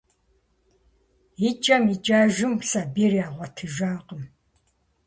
Икӏэм-икӏэжым сабийр ягъуэтыжакъым.